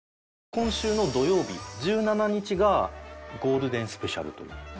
今週の土曜日１７日がゴールデンスペシャルという。